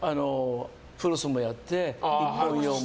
フロスもやって、１本用も。